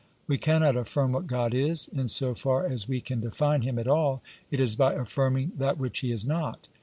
We cannot affirm what God is ; in so far as we can define Him at all, it is by affirming that which He is not.